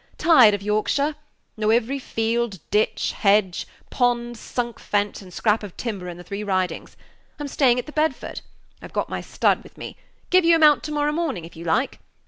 Tired of Yorkshire; know every field, ditch, hedge, pond, sunk fence, and scrap of timber in the three Ridings. I'm staying at the Bedford; Page 25 I've got my stud with me give you a mount to morrow morning if you like.